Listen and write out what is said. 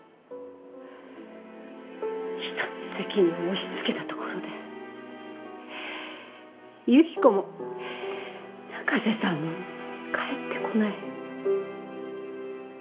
ひとに責任を押し付けたところで由紀子も中瀬さんも帰ってこない。